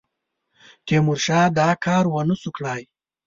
تیمورشاه دا کار ونه سو کړای.